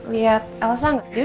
tidak tahu apa itu